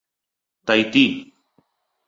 Tahití.